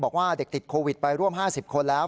บอกว่าเด็กติดโควิดไปร่วม๕๐คนแล้ว